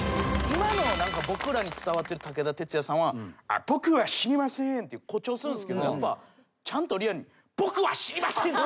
今の僕らに伝わってる武田鉄矢さんは「僕は死にませぇん」って誇張するんすけどやっぱちゃんとリアルに「僕は死にません！」